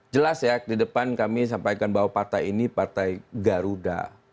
jelas ya di depan kami sampaikan bahwa partai ini partai garuda